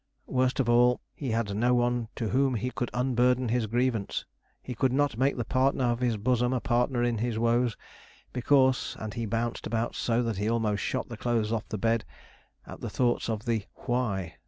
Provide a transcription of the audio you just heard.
Worst of all, he had no one to whom he could unburden his grievance. He could not make the partner of his bosom a partner in his woes, because and he bounced about so that he almost shot the clothes off the bed, at the thoughts of the 'why.'